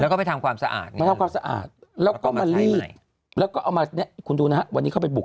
แล้วก็ไปทำความสะอาดแล้วก็ออกมานี้แล้วก็เอามานี้คุณดูนะวันนี้เขาไปบุก